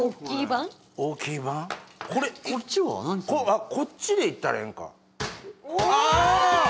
あっこっちでいったらええんかあ！